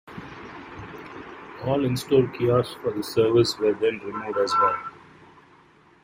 All in-store kiosks for the service were then removed as well.